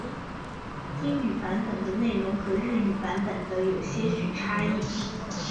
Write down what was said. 英语版本的内容和日语版本有些许差异。